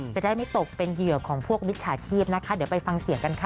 จะได้ไม่ตกเป็นเหยื่อของพวกมิจฉาชีพนะคะเดี๋ยวไปฟังเสียงกันค่ะ